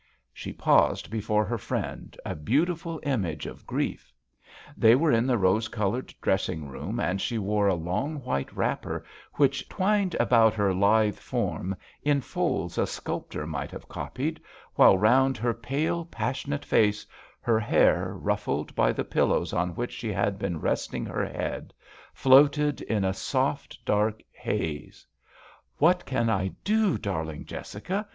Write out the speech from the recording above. *' She paused before her friend, a beautiful image of grief. They were in the rose coloured dress ing room, and she wore a long white wrapper which twined about her lithe form in folds a sculptor might have copied, while round her " pale, passionate face," her hair, ruffled by the pillows on which she had been resting her head, floated in a soft, dark haze. THE VIOLIN OBBLIGATO. 89 ■*" What can I do, darling Jes sica?